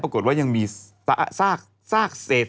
ปรากฏว่ายังมีซากเศษ